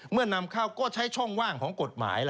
นำเข้าก็ใช้ช่องว่างของกฎหมาย